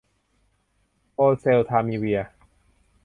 โอเซลทามิเวียร์